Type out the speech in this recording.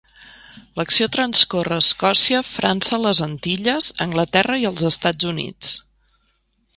L'acció transcorre a Escòcia, França, les Antilles, Anglaterra i els Estats Units.